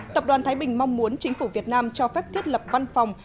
tập đoàn thái bình mong muốn chính phủ việt nam cho phép thiết lập văn phòng